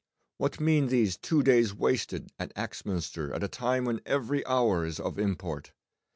What mean these two days wasted at Axminster at a time when every hour is of import?